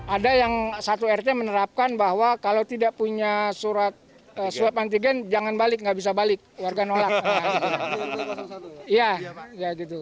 ada yang satu rt menerapkan bahwa kalau tidak punya surat swab antigen jangan balik nggak bisa balik warga nolak